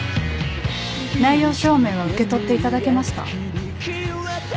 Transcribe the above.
内容証明は受け取っていただけました？